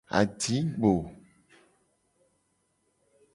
Adigbo.